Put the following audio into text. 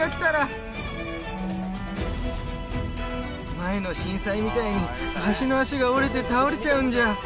前の震災みたいに橋の脚が折れて倒れちゃうんじゃ。